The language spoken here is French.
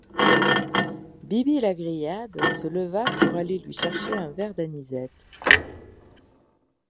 Bibi-la-Grillade se leva pour aller lui chercher un verre d'anisette.